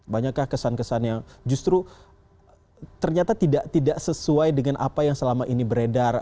banyakkah kesan kesan yang justru ternyata tidak sesuai dengan apa yang selama ini beredar